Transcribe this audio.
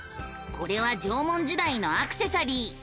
これは縄文時代のアクセサリー。